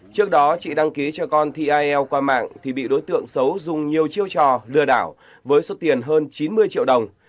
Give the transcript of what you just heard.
trước đó chị đăng ký cho con til qua mạng thì bị đối tượng xấu dùng nhiều chiêu trò lừa đảo với số tiền hơn chín mươi triệu đồng